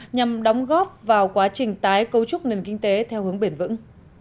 nhằm đóng góp vào quá trình tái cấu trúc nền kinh tế theo hướng bền vững